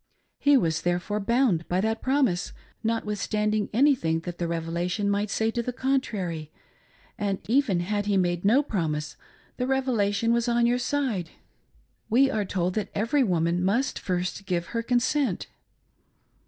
He was theretore bound by that promise, notwithstanding anything that the Revelation might say to the contrary ; and even had he made 402 "I.WILL DESTROY HER. no promise, the Revelation was on your side. We are told that every woman must first give her consent."